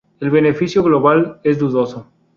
El beneficio global es dudoso.